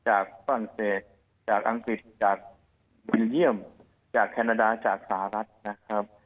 ฝรั่งเศสจากอังกฤษจากบุญเยี่ยมจากแคนาดาจากสหรัฐนะครับ